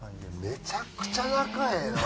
めちゃくちゃ仲ええな。